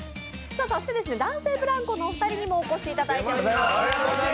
そして男性ブランコのお二人にもお越しいただいています。